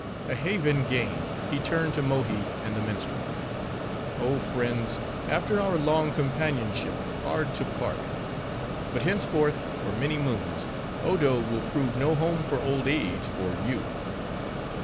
A haven gained, he turned to Mohi and the minstrel:—"Oh, friends! after our long companionship, hard to part! But henceforth, for many moons, Odo will prove no home for old age, or youth.